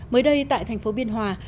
mới đây tại thành phố biên hòa